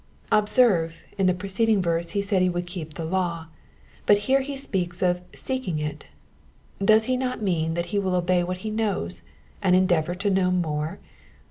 Observe, in the preceding verse he said he would keep the law ; but here he speaks of seeking it. Does he not mean that he will obey what he knows, and endeavour to know more